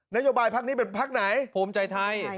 นโยไบปั๊กนี้เป็นปั๊กไหนผมใจไทย